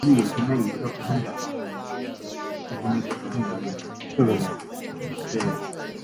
教父早期宗教作家及宣教师的统称。